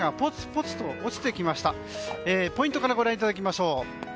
ポイントからご覧いただきましょう。